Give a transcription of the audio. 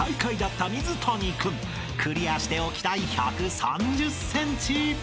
［クリアしておきたい１３０ｃｍ］